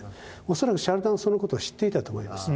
恐らくシャルダンはそのことを知っていたと思います。